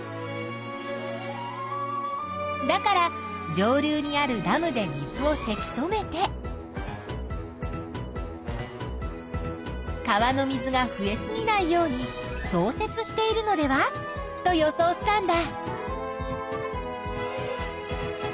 だから上流にあるダムで水をせき止めて川の水が増えすぎないように調節しているのではと予想したんだ。